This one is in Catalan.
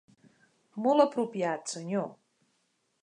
Molt apropiat, senyor.